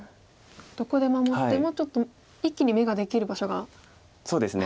どこで守ってもちょっと一気に眼ができる場所がなくなりますね。